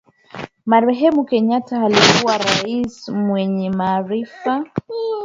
Marehemu kenyatta alikuwa rais mwenye maarifa